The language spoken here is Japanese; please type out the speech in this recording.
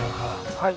はい。